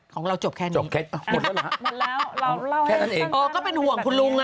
ของเราจบแค่นี้แค่นี้อีกเออก็เป็นหวังคุณลุง